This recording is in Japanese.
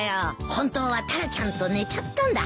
本当はタラちゃんと寝ちゃったんだ。